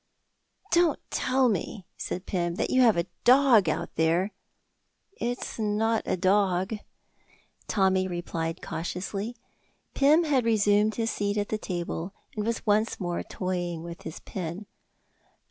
"Don't tell me," said Pym, "that you have a dog out there." "It's not a dog," Tommy replied cautiously. Pym had resumed his seat at the table and was once more toying with his pen.